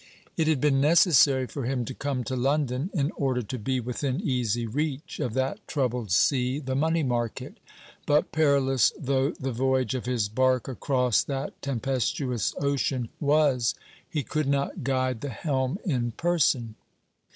It had been necessary for him to come to London in order to be within easy reach of that troubled sea, the money market. But perilous though the voyage of his bark across that tempestuous ocean was, he could not guide the helm in person.